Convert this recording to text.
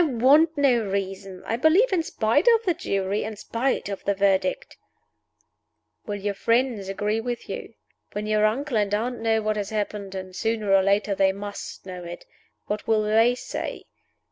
"I want no reason! I believe in spite of the jury in spite of the Verdict." "Will your friends agree with you? When your uncle and aunt know what has happened and sooner or later they must know it what will they say?